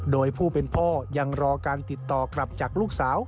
โดยผู้เป็นพ่อยังรอการติดต่อกลับจากลูกสาว